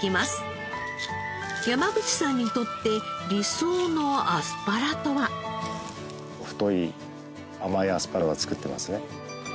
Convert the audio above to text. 山口さんにとって理想のアスパラとは。太い甘いアスパラを作っていますね。